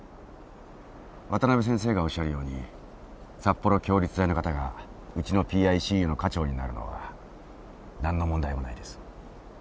渡辺先生がおっしゃるように札幌共立大の方がうちのＰＩＣＵの科長になるのは何の問題もないです。